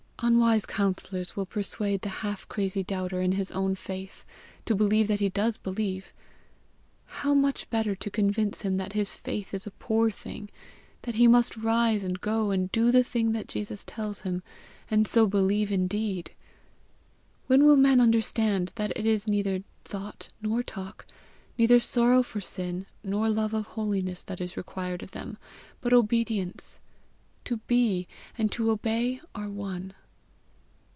Unwise counsellors will persuade the half crazy doubter in his own faith, to believe that he does believe! how much better to convince him that his faith is a poor thing, that he must rise and go and do the thing that Jesus tells him, and so believe indeed! When will men understand that it is neither thought nor talk, neither sorrow for sin nor love of holiness that is required of them, but obedience! To BE and to OBEY are one.